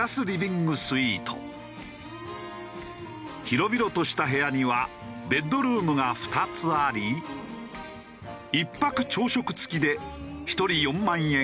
広々とした部屋にはベッドルームが２つあり１泊朝食付きで１人４万円から。